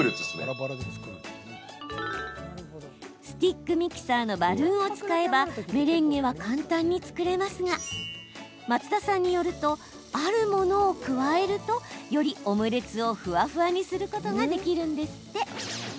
スティックミキサーのバルーンを使えばメレンゲは簡単に作れますが松田さんによるとあるものを加えるとよりオムレツを、ふわふわにすることができるんですって。